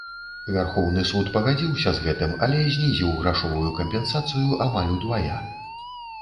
Вярхоўны суд пагадзіўся з гэтым, але знізіў грашовую кампенсацыю амаль удвая.